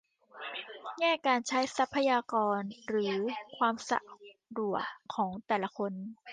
แง่การใช้ทรัพยากรหรือความสะดวกของแต่ละคน